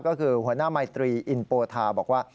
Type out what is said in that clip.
ก็คือหัวหน้ามายตรีอินโปธาบอกว่า